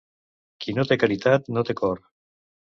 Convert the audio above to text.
Qui no té caritat, no té cor.